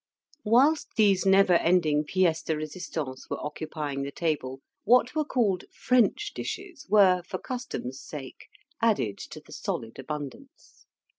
Whilst these never ending pieces de resistance were occupying the table, what were called French dishes were, for custom's sake, added to the solid abundance.